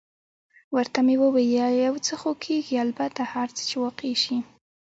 ورته مې وویل: یو څه خو کېږي، البته هر څه چې واقع شي.